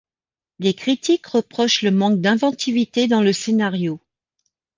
Les critiques reprochent le manque d'inventivité dans le scénario.